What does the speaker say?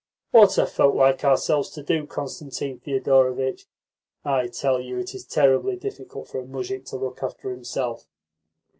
What are folk like ourselves to do, Constantine Thedorovitch? I tell you it is terribly difficult for a muzhik to look after himself."